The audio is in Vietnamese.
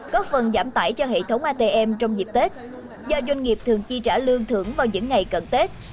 có phần giảm tải cho hệ thống atm trong dịp tết do doanh nghiệp thường chi trả lương thưởng vào những ngày cận tết